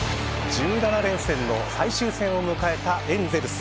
１７連戦の最終戦を迎えたエンゼルス。